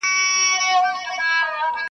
قلم ډک لرم له وینو نظم زما په وینو سور دی -